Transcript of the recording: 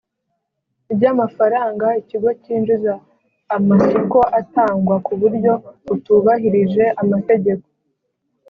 ry amafaranga ikigo cyinjiza amasoko atangwa ku buryo butubahirije amategeko